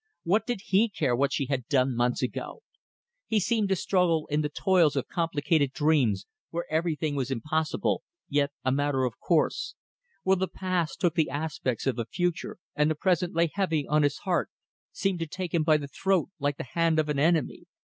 What did he care what she had done months ago? He seemed to struggle in the toils of complicated dreams where everything was impossible, yet a matter of course, where the past took the aspects of the future and the present lay heavy on his heart seemed to take him by the throat like the hand of an enemy.